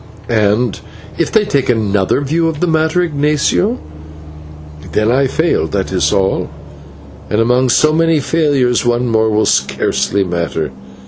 "And if they take another view of the matter, Ignatio?" "Then I fail, that is all, and among so many failures one more will scarcely matter.